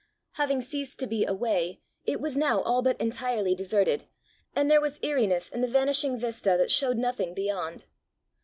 Having ceased to be a way, it was now all but entirely deserted, and there was eeriness in the vanishing vista that showed nothing beyond.